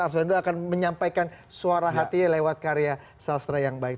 arswendo akan menyampaikan suara hatinya lewat karya sastra yang baik